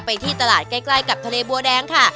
ที่ตลาดใกล้กับทะเลบัวแดงค่ะ